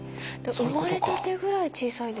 生まれたてぐらい小さい。